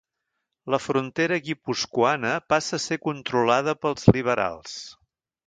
La frontera guipuscoana passa a ser controlada pels liberals.